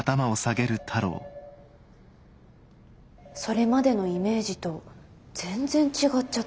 それまでのイメージと全然違っちゃってて。